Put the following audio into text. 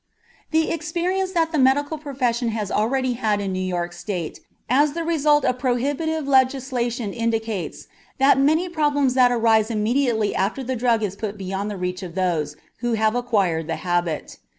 The experience that the medical profession has already had in New York State as the result of prohibitive legislation indicates the many problems that arise immediately after the drug is put beyond the reach of those who have acquired the habit.